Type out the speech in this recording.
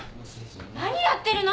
・何やってるの？